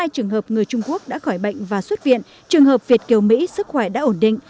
hai trường hợp người trung quốc đã khỏi bệnh và xuất viện trường hợp việt kiều mỹ sức khỏe đã ổn định